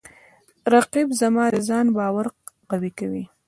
رقیب زما د ځان باور قوی کوي